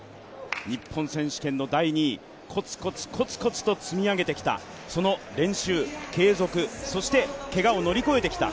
日本選手権の第２位コツコツコツコツと積み上げてきた、その練習、継続、そしてけがを乗り越えてきた。